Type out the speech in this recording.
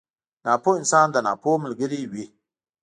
ناپوه انسان د ناپوه ملګری وي.